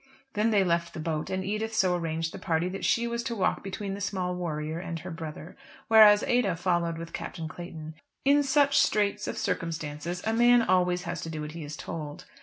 Then they left the boat, and Edith so arranged the party that she was to walk between the small warrior and her brother, whereas Ada followed with Captain Clayton. In such straits of circumstances a man always has to do what he is told.